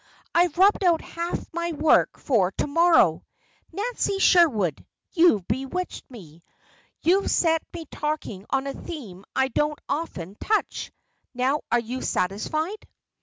"I've rubbed out half my work for to morrow. Nancy Sherwood, you've bewitched me. You've set me talking on a theme I don't often touch. Now, are you satisfied?"